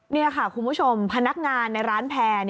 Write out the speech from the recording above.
นี่ค่ะคุณผู้ชมพนักงานในร้านแพร่